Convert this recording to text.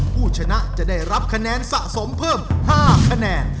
ผู้ชนะจะได้รับคะแนนสะสมเพิ่ม๕คะแนน